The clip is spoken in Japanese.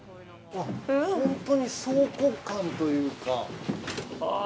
本当に倉庫感というか。